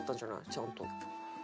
ちゃんと。